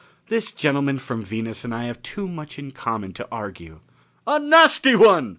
"This gentleman from Venus and I have too much in common to argue." "A nasty one!"